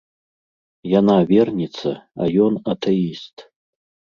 Яна верніца, а ён атэіст.